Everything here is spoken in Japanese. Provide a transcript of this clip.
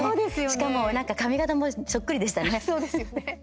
しかも、なんか髪形もそっくりでしたね。